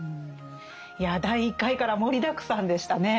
いや第１回から盛りだくさんでしたね。